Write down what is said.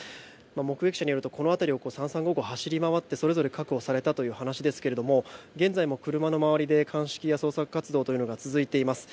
目撃者によると、この辺りを三々五々、走り回ってそのあと確保されたという話ですが現在も車の周りで鑑識や捜査活動が続いています。